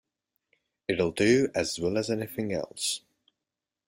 It'll do as well as anything else.